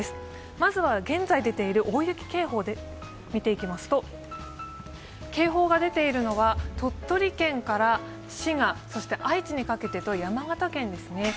まずは現在出ている大雪警報を見ていきますと、警報が出ているのが鳥取県から滋賀そして愛知にかけてと山形県ですね。